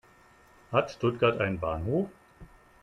Hat Stuttgart einen Bahnhof?